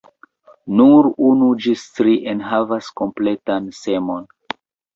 Nur unu ĝis tri enhavas kompletan semon.